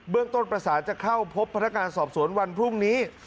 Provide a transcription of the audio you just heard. ต้นประสานจะเข้าพบพนักงานสอบสวนวันพรุ่งนี้